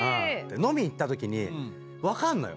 飲み行ったときに分かんのよ。